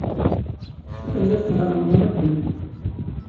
Telliḍ tḍellmeḍ medden.